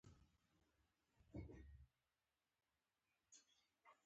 ټکنالوژیکي نوښتونه په چټکۍ رامنځته شول.